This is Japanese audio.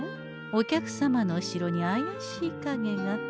お客様の後ろにあやしいかげが。